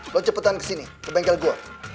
gue cepetan kesini ke bengkel gue